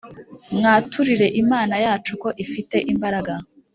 Mwaturire Imana yacu ko ifite imbaraga